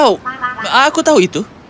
oh aku tahu itu